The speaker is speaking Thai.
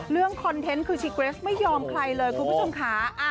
คอนเทนต์คือชิเกรสไม่ยอมใครเลยคุณผู้ชมค่ะ